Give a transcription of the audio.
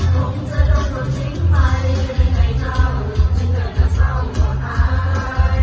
คงจะโดนตกทิ้งไปในในเกาไม่เงินกับเศร้าหัวตาย